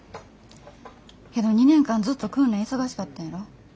けど２年間ずっと訓練忙しかったんやろ？